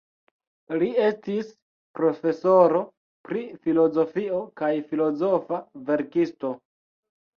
Li estis profesoro pri filozofio kaj filozofa verkisto.